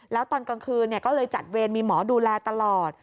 แล้วตอนกลางคืนก็เลยจัดเวรมีหมอดูแลตลอด